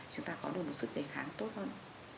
chúng ta có được một sức đề kháng tốt hơn